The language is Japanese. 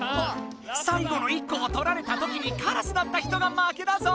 さい後の１こを取られたときにカラスだった人が負けだぞ！